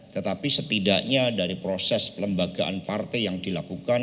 tetapi setidaknya dari proses pelembagaan partai yang dilakukan